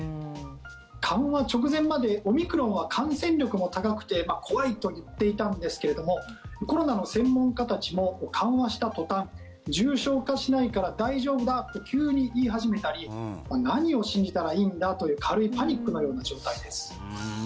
緩和直前までオミクロンは感染力も高くて怖いと言っていたんですけどもコロナの専門家たちも緩和した途端重症化しないから大丈夫だと急に言い始めたり何を信じたらいいんだという軽いパニックのような状態です。